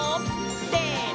せの！